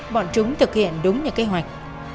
bọn chúng thực hiện đúng như kế hoạch